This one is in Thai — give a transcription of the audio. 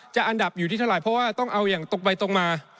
อันดับอยู่ที่เท่าไหร่เพราะว่าต้องเอาอย่างตรงไปตรงมา